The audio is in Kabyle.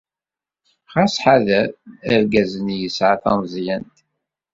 Ɣas ḥader, argaz-nni yesɛa tameẓyant.